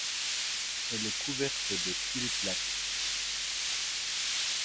Elle est couverte de tuile plate.